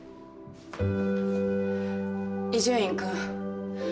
伊集院君。